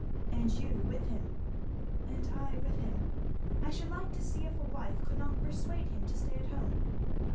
"And you with him." "And I with him. I should like to see if a wife could not persuade him to stay at home."